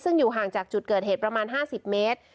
ซึ่งอยู่ห่างจากจุดเกิดเหตุประมาณ๕๐เมตร